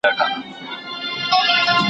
ټولنیزې رسنۍ د نارینهتوب ناسم فکرونه خپروي.